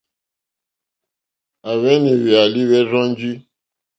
À hwànɛ́ hwɛ̀álí hwɛ́ rzɔ́njì.